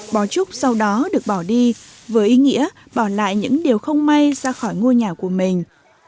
bó trúc sau đó được bỏ đi với ý nghĩa bỏ lại những điều không may ra khỏi ngôi nhà của mình